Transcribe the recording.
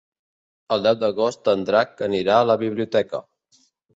El deu d'agost en Drac anirà a la biblioteca.